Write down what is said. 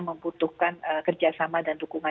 membutuhkan kerjasama dan dukungan